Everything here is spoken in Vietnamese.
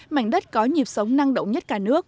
mảnh đất có nhịp sống năng động nhất cả nước